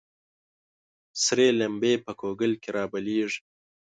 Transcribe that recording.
ســـــــرې لمـبـــــې په ګوګـل کــې رابلـيـــږي